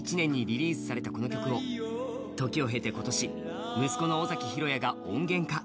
１９９１年にリリースされたこの曲を時を経てこの年息子の尾崎裕哉が音源化。